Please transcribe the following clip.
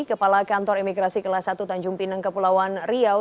kepala kantor imigrasi kelas satu tanjung pinang kepulauan riau